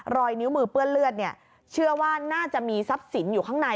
รอยนิ้วมือเปื้อนเลือดเนี่ยเชื่อว่าน่าจะมีทรัพย์สินอยู่ข้างใน